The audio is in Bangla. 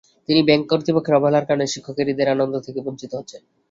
কিন্তু ব্যাংক কর্তৃপক্ষের অবহেলার কারণে শিক্ষকেরা ঈদের আনন্দ থেকে বঞ্চিত হচ্ছেন।